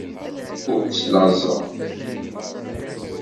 Ur ttlaẓeɣ.